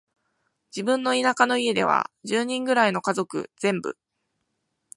自分の田舎の家では、十人くらいの家族全部、